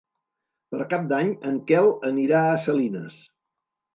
Per Cap d'Any en Quel anirà a Salines.